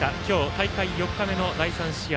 大会４日目の第３試合。